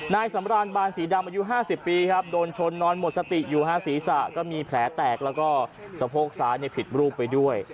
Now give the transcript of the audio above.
นายสำรานบานสีดำอายุ๕๐ปีครับโดนชนนอนหมดสติอยู่ฮะศีรษะก็มีแผลแตกแล้วก็สะโพกซ้ายผิดรูปไปด้วย